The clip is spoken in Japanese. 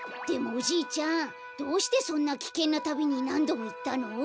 でもおじいちゃんどうしてそんなきけんなたびになんどもいったの？